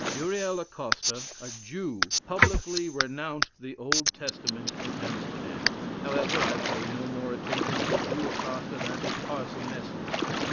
Uriel Acosta, a Jew, publicly renounced the Old Testament in Amsterdam; however, I pay no more attention to the Jew Acosta than to Parson Meslier.